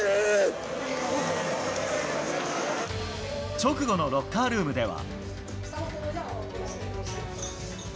直後のロッカールームでは。